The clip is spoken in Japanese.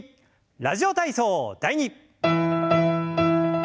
「ラジオ体操第２」。